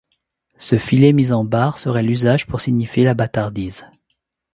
Ce filet mis en barre serait l'usage pour signifier la bâtardise.